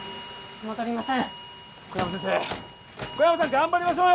戻りません